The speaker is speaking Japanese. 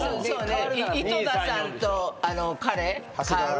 井戸田さんと彼かわる？